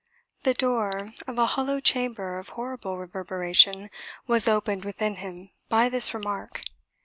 The door of a hollow chamber of horrible reverberation was opened within him by this remark.